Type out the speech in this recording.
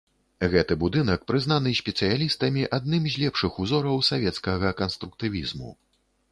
Гэты будынак прызнаны спецыялістамі адным з лепшых узораў савецкага канструктывізму.